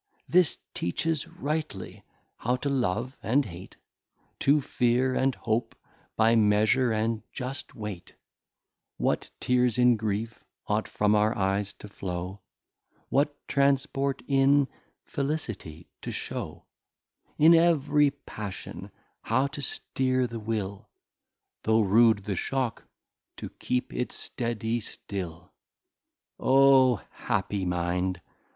This teaches rightly how to Love and Hate, To fear and hope by Measure and just Weight; What Tears in Grief ought from our Eyes to flow, What Transport in Felicity to show; In ev'ry Passion how to steer the Will, Tho rude the Shock, to keep it steady still. Oh happy Mind!